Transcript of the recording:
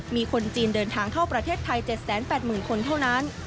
มีคนจีนเดินทางเข้าประเทศไทย๗๘๐๐๐คนเท่านั้น